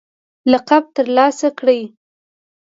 لقب ترلاسه کړ